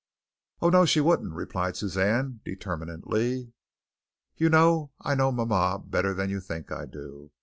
"Oh, no, she wouldn't," replied Suzanne determinedly. "You know, I know mama better than you think I do.